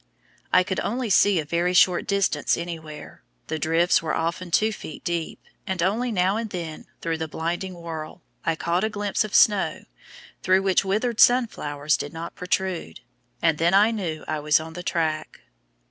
I could only see a very short distance anywhere; the drifts were often two feet deep, and only now and then, through the blinding whirl, I caught a glimpse of snow through which withered sunflowers did not protrude, and then I knew that I was on the track.